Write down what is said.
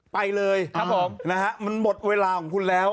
ไปเลยมันหมดเวลาของคุณแล้ว